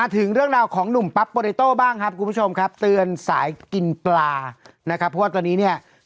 ถูกต้องนะครับถือเป็นเรื่องอามยามดี